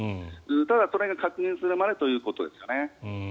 ただ、それを確認するまでということですかね。